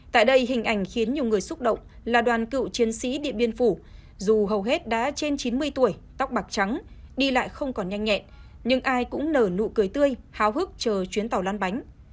tại đây hình ảnh khiến nhiều người xúc động là đoàn cựu chiến sĩ điện biên phủ dù hầu hết đã trên chín mươi tuổi tóc bạc trắng đi lại không còn nhanh nhẹn nhưng ai cũng nở nụ cười tươi háo hức chờ chuyến tàu lan bánh